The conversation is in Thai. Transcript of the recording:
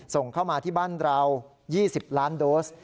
ส่งเข้ามาที่บ้านเรา๒๐ล้านโดส